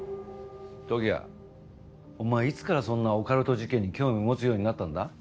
時矢お前いつからそんなオカルト事件に興味持つようになったんだ？